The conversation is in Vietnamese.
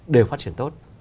đều phát triển tốt